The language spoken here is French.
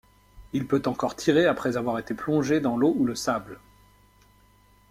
Il peut encore tirer après avoir été plongé dans l'eau ou le sable.